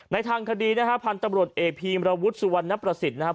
ในทางคดีนะฮะพันธบรสเอพีมรวุฒิสุวรรณประสิทธิ์นะฮะ